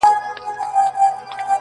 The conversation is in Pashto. زمــا دزړه د ائينې په خاموشـۍ كي.